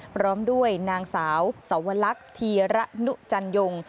พร้อมด้วยนางสาวสวรรคธีระนุจันยง